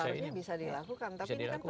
seharusnya bisa dilakukan